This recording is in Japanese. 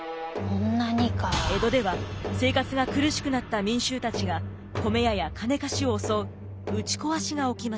江戸では生活が苦しくなった民衆たちが米屋や金貸しを襲う打ちこわしが起きました。